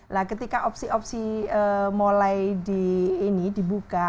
nah ketika opsi opsi mulai dibuka